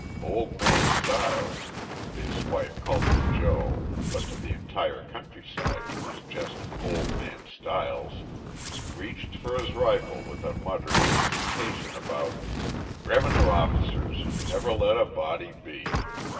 Old Man Stiles his wife called him Joe, but to the entire countryside he was just "Old Man Stiles" reached for his rifle with a muttered imprecation about "Rev'nue officers who never let a body be."